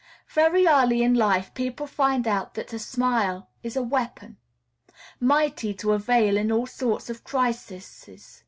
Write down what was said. Very early in life people find out that a smile is a weapon, mighty to avail in all sorts of crises.